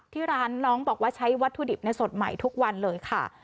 ที่ร้านน้องบอกว่าใช้วัตถุดิบสดใหม่ทุกวันเลยค่ะ